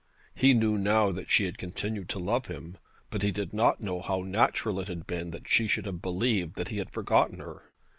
He knew now that she had continued to love him; but he did not know how natural it had been that she should have believed that he had forgotten her.